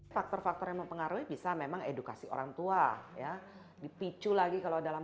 faktor faktor yang mempengaruhi bisa memang edukasi orangtua ya dipicu lagi kalau dalam